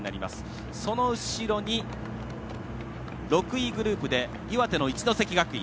その後ろに、６位グループで岩手の一関学院。